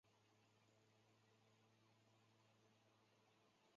答里必牙二世是是实皆开国君主修云的幼子。